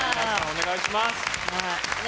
お願いします。